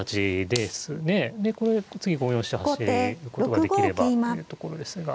でこれ次５四飛車走ることができればというところですが。